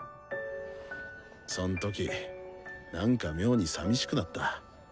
そん時なんか妙にさみしくなった。